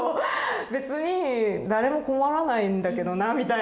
別に誰も困らないんだけどなぁみたいな。